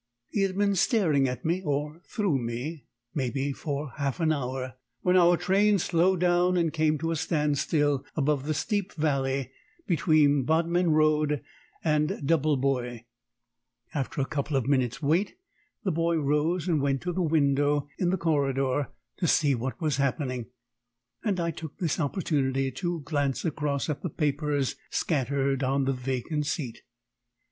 He had been staring at me, or through me, maybe for half an hour, when our train slowed down and came to a standstill above the steep valley between Bodmin Road and Doublebois. After a couple of minutes' wait, the boy rose and went to the window in the corridor to see what was happening; and I took this opportunity to glance across at the papers scattered on the vacant seat.